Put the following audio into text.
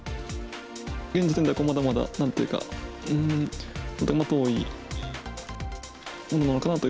現時点ではまだまだ、なんというか、とても遠いものなのかなと。